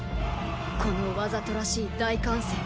このわざとらしい大喚声。